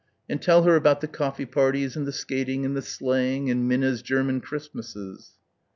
and tell her about the coffee parties and the skating and the sleighing and Minna's German Christmasses....